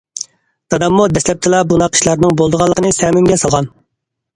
داداممۇ دەسلەپتىلا بۇنداق ئىشلارنىڭ بولىدىغانلىقىنى سەمىمگە سالغان.